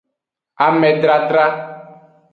Amedradra.